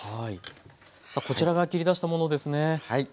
さあこちらが切り出したものですね。